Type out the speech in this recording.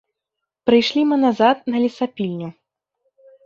Прыйшлі мы назад на лесапільню.